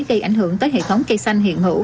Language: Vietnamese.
gây ảnh hưởng tới hệ thống cây xanh hiện hữu